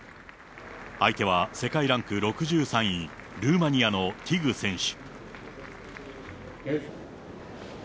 相手は世界ランク６３位、ルーマニアのティグ選手。